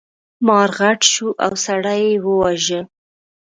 مار غټ شو او سړی یې وواژه.